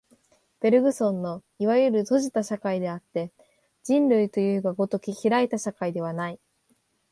ベルグソンのいわゆる閉じた社会であって、人類というが如き開いた社会ではない。